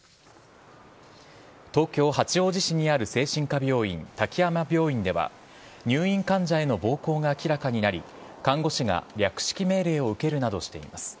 東京・八王子市にある精神科病院、滝山病院では、入院患者への暴行が明らかになり、看護師が略式命令を受けるなどしています。